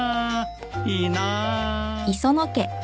いいなー。